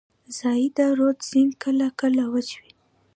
زاینده رود سیند کله کله وچ وي.